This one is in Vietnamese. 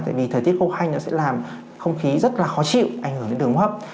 tại vì thời tiết khô hanh nó sẽ làm không khí rất là khó chịu ảnh hưởng đến đường hấp